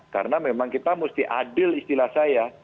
karena memang kita mesti adil istilah saya